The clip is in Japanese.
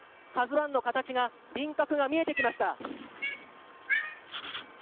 「ＫＡＺＵ１」の形が輪郭が見えてきました。